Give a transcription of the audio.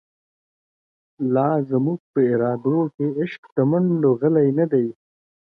لا زموږ په ارادو کی، عشق د مڼډو غلۍ نه دۍ